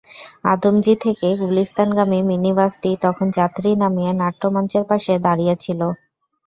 আদমজী থেকে গুলিস্তানগামী মিনিবাসটি তখন যাত্রী নামিয়ে নাট্যমঞ্চের পাশে দাঁড়িয়ে ছিল।